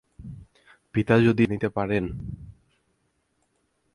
পিতা যদি জানিতে পারেন?